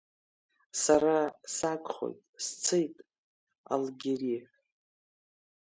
Сара сагхоит, сцеит, Алгери!